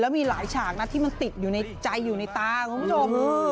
มีหลายฉากนะที่มันติดอยู่ในใจอยู่ในตาคุณผู้ชม